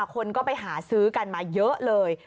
คนก็ไปหาซื้อกันมาเยอะเลย